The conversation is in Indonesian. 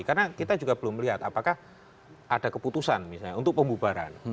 karena kita juga belum melihat apakah ada keputusan misalnya untuk pembubaran